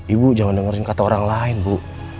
ibu jangan dengerin kata orang lain bu